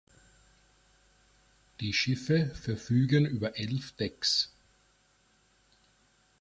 Die Schiffe verfügen über elf Decks.